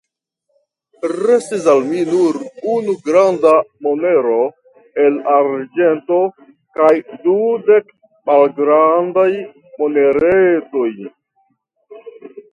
Restis al mi nur unu granda monero el arĝento kaj dudek malgrandaj moneretoj.